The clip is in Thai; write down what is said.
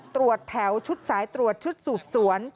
ตรวจแถวชุดสายตรวจชุดสูบสวน